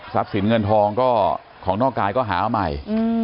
สรับศีลเงินทองของนอกกายก็หาใหม่